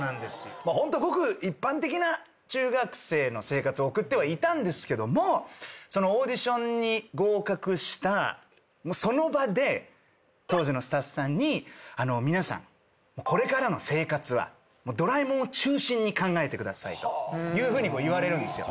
ホントごく一般的な中学生の生活送ってはいたんですけどもそのオーディションに合格したその場で当時のスタッフさんに「皆さん」「考えてください」というふうに言われるんですよ。